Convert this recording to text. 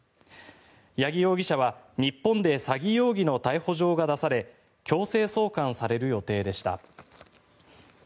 八木容疑者は日本で詐欺容疑の逮捕状が出され強制送還される予定でした。